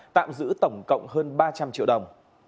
tạm giữ tổng cộng hơn ba trăm linh triệu đồng